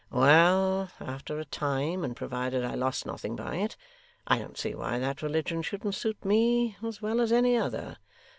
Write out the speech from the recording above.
Well! After a time, and provided I lost nothing by it, I don't see why that religion shouldn't suit me as well as any other.